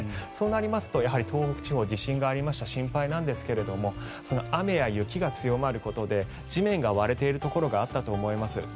そうなりますとやはり東北地方地震がありまして心配なんですけれども雨や雪が強まることで地面が割れているところがあったと思います。